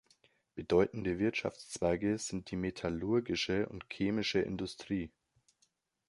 Bedeutende Wirtschaftszweige sind die metallurgische und die chemische Industrie.